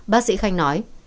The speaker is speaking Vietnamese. bác sĩ khanh nói